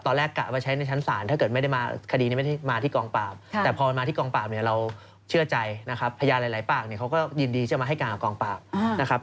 กะไว้ใช้ในชั้นศาลถ้าเกิดไม่ได้มาคดีนี้ไม่ได้มาที่กองปราบแต่พอมาที่กองปราบเนี่ยเราเชื่อใจนะครับพยานหลายปากเนี่ยเขาก็ยินดีจะมาให้การกับกองปราบนะครับ